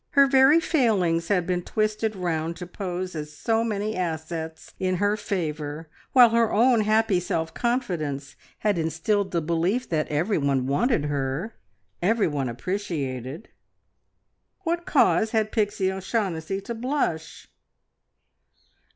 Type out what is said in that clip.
Her very failings had been twisted round to pose as so many assets in her favour, while her own happy self confidence had instilled the belief that every one wanted her, every one appreciated. What cause had Pixie O'Shaughnessy to blush?